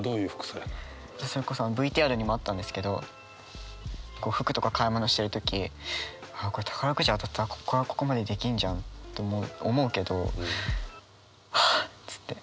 それこそＶＴＲにもあったんですけどこう服とか買い物してる時「あっこれ宝くじ当たったらこっからここまでできんじゃん」って思うけど「はぁ」つって。